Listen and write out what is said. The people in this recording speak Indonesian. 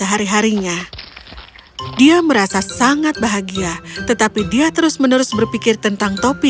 hari harinya dia merasa sangat bahagia tetapi dia terus menerus berpikir tentang topi